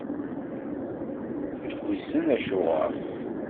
Wissen acuɣeṛ.